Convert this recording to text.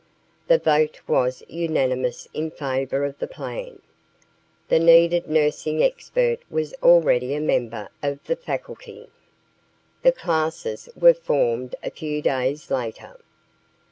The vote was unanimous in favor of the plan. The needed nursing expert was already a member of the faculty. The classes were formed a few days later.